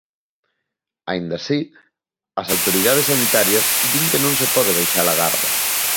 Aínda así, as autoridades sanitarias din que non se pode baixar a garda.